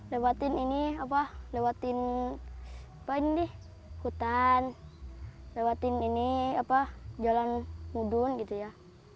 lewatin ini apa lewatin hutan lewatin ini jalan ngudun gitu ya